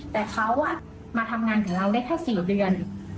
แต่เขามาทำงานกับเราได้แค่๔เดือน